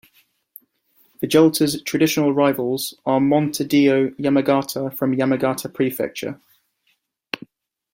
Vegalta's traditional rivals are Montedio Yamagata from Yamagata Prefecture.